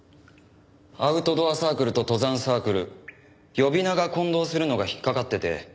アウトドアサークルと登山サークル呼び名が混同するのが引っ掛かってて。